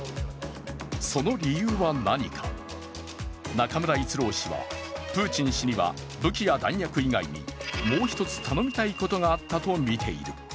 その理由は何か、中村逸郎氏はプーチン氏には武器や弾薬以外に、もう１つ頼みたいことがあったと見ている。